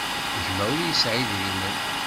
Gma ur yesɛi idrimen.